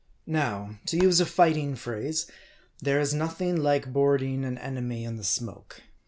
112 MARDI. Now, to use a fighting phrase, there is nothing like board ing an enemy in the smoke.